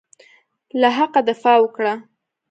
له حقه دفاع وکړه.